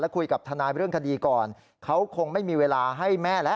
คุยกับทนายเรื่องคดีก่อนเขาคงไม่มีเวลาให้แม่แล้ว